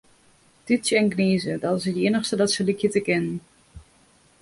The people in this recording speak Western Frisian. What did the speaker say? Tútsje en gnize, dat is it iennichste dat se lykje te kinnen.